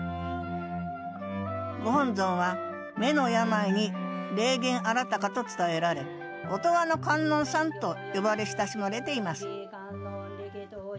ご本尊は目の病に霊験あらたかと伝えられ「音羽の観音さん」と呼ばれ親しまれています